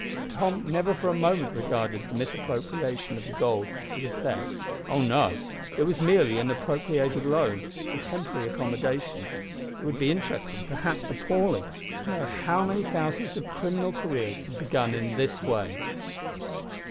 Tom never for a moment regarded the misappropriation of the gold as a theft. Oh no! it was merely an appropriated loan a temporary accommodation. It would be interesting, perhaps appalling, to know how many thousands of criminal careers have been begun in this way!